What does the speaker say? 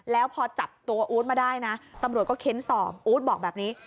แล้วพอจับตัวอู๊ดมาได้นะตำรวจก็เค้นสอบอู๊ดบอกแบบนี้